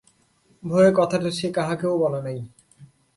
ভয়ে কথাটা সে কাহাকেও বলে নাই।